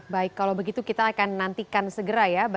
baik kalau begitu kita akan nantikan segera ya